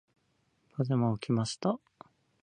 パジャマを着ました。